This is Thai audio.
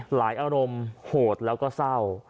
อารมณ์โหดแล้วก็เศร้า